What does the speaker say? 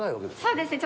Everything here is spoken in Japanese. そうですね。